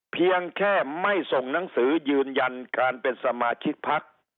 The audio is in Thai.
เพียงแค่ไม่ส่งหนังสือยืนยันการเป็นสมาชิกพัก